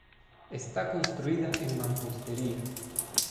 Está construida en mampostería.